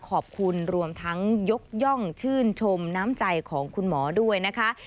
ขอบคุณรวมทั้งยกย่องชื่นชมน้ำใจของคุณหมอด้วยนะคะ